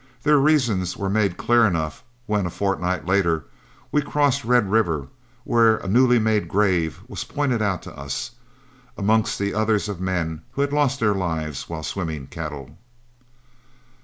Their reasons were made clear enough when, a fortnight later, we crossed Red River, where a newly made grave was pointed out to us, amongst others of men who had lost their lives while swimming cattle.